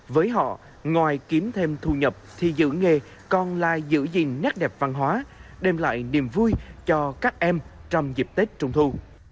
với họ ngoài kiếm thêm thu nhập thì giữ nghề còn là giữ gìn nét đẹp văn hóa đem lại niềm vui cho các em trong dịp tết trung thu